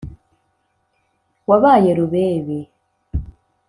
wabaye rubebe